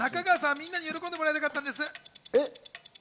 みんなに喜んでもらいたかったんです。